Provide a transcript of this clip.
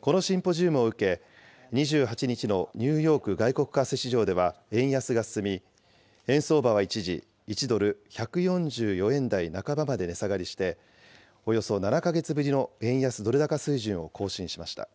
このシンポジウムを受け、２８日のニューヨーク外国為替市場では円安が進み、円相場は一時１ドル１４４円台半ばまで値下がりして、およそ７か月ぶりの円安ドル高水準を更新しました。